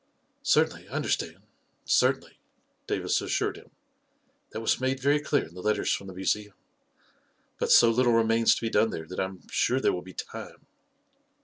" Certainly, I understand; certainly,' 9 Davis as sured him. " That was made very clear in the let ters from the Museum. But so little remains to be done there, that I am sure there will be time